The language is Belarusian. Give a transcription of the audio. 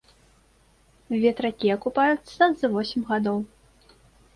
Ветракі акупаюцца за восем гадоў.